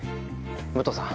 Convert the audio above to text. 武藤さん